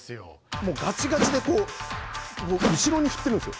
もうガチガチでこう後ろに振ってるんですよ。